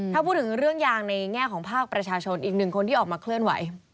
ถ้าพูดถึงเรื่องยางในแง่ของภาคประชาชนอีกหนึ่งคนที่ออกมาเคลื่อนไหว